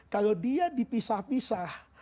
kalau dia dipisah pisah